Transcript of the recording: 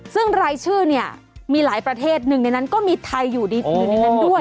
ซึ่งรายชื่อเนี่ยมีหลายประเทศหนึ่งในนั้นก็มีไทยอยู่ในนั้นด้วย